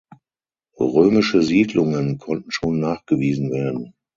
Römische Siedlungen konnten schon nachgewiesen werden.